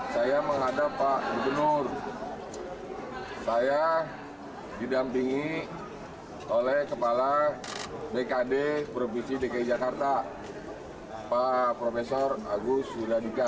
saya menghadap pak gubernur saya didampingi oleh kepala bkd provinsi dki jakarta pak profesor agus wiladika